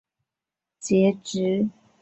南传佛教称此为第四次结集。